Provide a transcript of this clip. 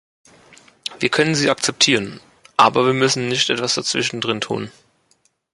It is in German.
Wir können sie akzeptieren, aber wir müssen nicht etwas dazwischen drin tun.